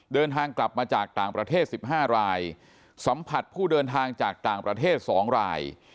เดินทางกลับมาจากต่างประเทศ๑๕รายสัมผัสผู้เดินทางจากต่างประเทศ๒ราย